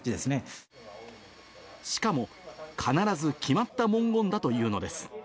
しかも、必ず決まった文言だというのです。